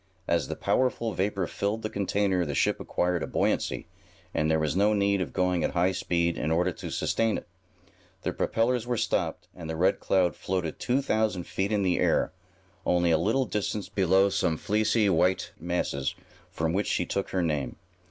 As the powerful vapor filled the container the ship acquired a buoyancy, and there was no need of going at high speed in order to sustain it. The propellers were stopped, and the Red Cloud floated two thousand feet in the air, only a little distance below some fleecy, white masses from which she took her name.